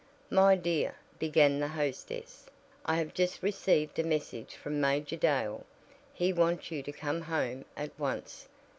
"My dear," began the hostess, "I have just received a message from Major Dale. He wants you to come home at once.